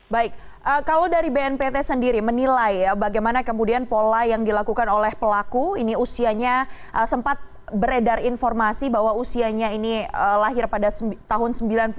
baik kalau dari bnpt sendiri menilai bagaimana kemudian pola yang dilakukan oleh pelaku ini usianya sempat beredar informasi bahwa usianya ini lahir pada tahun sembilan puluh